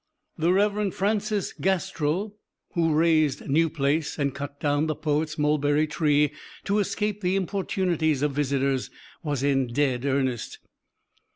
The Reverend Francis Gastrell, who razed New Place, and cut down the poet's mulberry tree to escape the importunities of visitors, was in dead earnest.